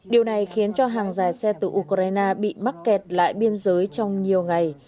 điều này khiến cho hàng dài xe từ ukraine bị mắc kẹt lại biên giới trong nhiều ngày